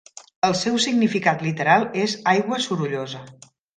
El seu significat literal és "aigua sorollosa".